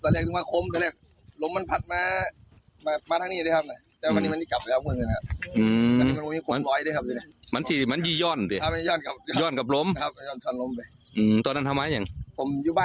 เราไปฟังเสียงกันดูค่ะ